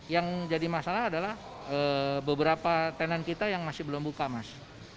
yang jadi masalah adalah beberapa tenan kita yang masih belum buka mas